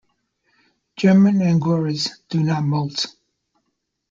German Angoras do not moult.